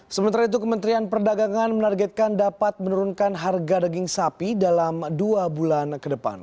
sementara itu kementerian perdagangan menargetkan dapat menurunkan harga daging sapi dalam dua bulan ke depan